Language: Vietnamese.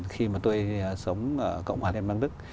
khi mà tôi sống ở cộng hòa liên bang đức